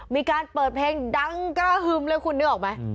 มีการเปิดเพลงดังกระหึ่มเลยคุณนึกออกไหม